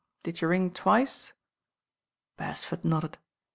did you ring iwice?" Beresford nodded.